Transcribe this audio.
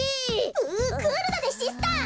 うクールだぜシスター！